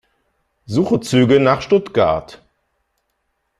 Suche Züge nach Stuttgart.